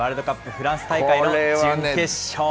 フランス大会の準決勝。